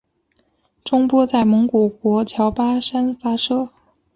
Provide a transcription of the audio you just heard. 中波在蒙古国乔巴山发射。